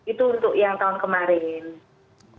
itu untuk yang tahun kemarin